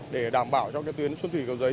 để đảm bảo cho tuyến xuân thủy cầu giấy